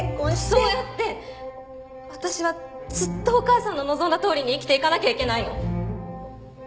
そうやって私はずっとお母さんの望んだとおりに生きていかなきゃいけないの？